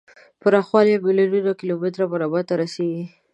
پراخوالی یې میلیون کیلو متر مربع ته رسیږي.